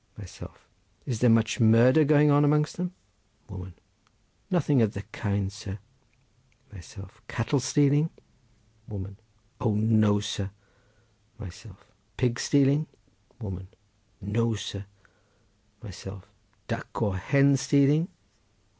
Myself.—Is there much murder going on amongst them? Woman.—Nothing of the kind, sir. Myself.—Cattle stealing? Woman.—O no, sir! Myself.—Pig stealing? Woman.—No, sir! Myself.—Duck or hen stealing?